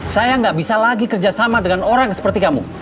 saya nggak bisa lagi kerjasama dengan orang seperti kamu